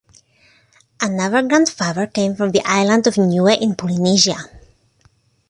Another grandfather came from the island of Niue in Polynesia.